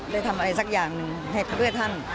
ได้ทำอะไรสักอย่างให้เพื่อท่าน